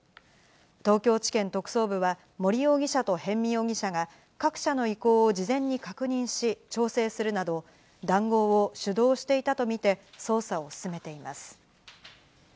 東京地検特捜部は、森容疑者と逸見容疑者が、各社の意向を事前に確認し、調整するなど、談合を主導していたと見て、捜査を進めています。